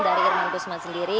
dari irman gusman sendiri